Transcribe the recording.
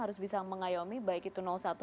harus bisa mengayomi baik itu satu